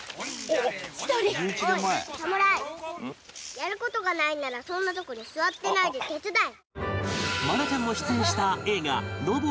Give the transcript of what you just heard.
やる事がないならそんなとこに座ってないで手伝え。